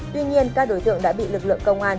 tuy nhiên các đối tượng đã bị lực lượng công an